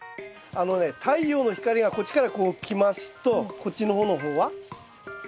あのね太陽の光がこっちからこう来ますとこっちの方の方は？